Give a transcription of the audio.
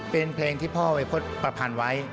เป็นเพลงที่พ่อวัยพฤษประพันธ์ไว้